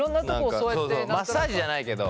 そうそうマッサージじゃないけど。